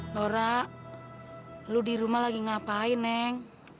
nora lu di rumah lagi ngapain neng